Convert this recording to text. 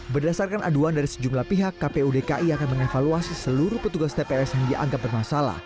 berdasarkan aduan dari sejumlah pihak kpu dki akan mengevaluasi seluruh petugas tps yang dianggap bermasalah